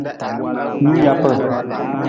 Nung japa.